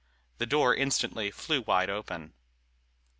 The door instantly flew wide open.